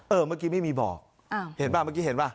เมื่อกี้ไม่มีบ่อเห็นป่ะเมื่อกี้เห็นป่ะ